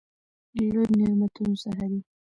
له لويو نعمتونو څخه دى.